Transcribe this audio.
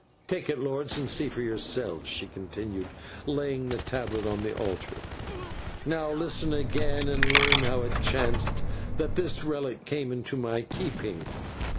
"Take it, lords, and see for yourselves," she continued, laying the tablet on the altar. "Now, listen again, and learn how it chanced that this relic came into my keeping.